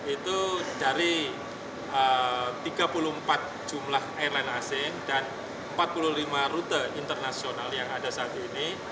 itu dari tiga puluh empat jumlah airline asing dan empat puluh lima rute internasional yang ada saat ini